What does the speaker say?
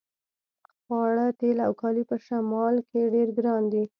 خواړه تیل او کالي په شمال کې ډیر ګران دي